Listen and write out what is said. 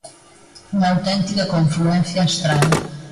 Unha auténtica confluencia astral.